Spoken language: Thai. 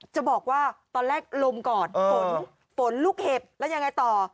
จะบอกว่าตอนแรกลมก่อนฝนฝนลูกเห็บแล้วยังไงต่อ